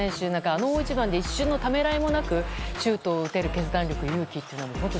あの大一番で一瞬のためらいもなくシュートを打てる決断力、勇気本当